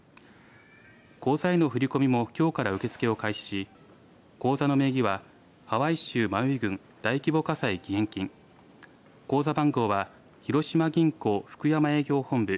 口座への振り込みもきょうから受け付けを開始し口座の名義はハワイ州マウイ郡大規模火災義援金口座番号は広島銀行福山営業本部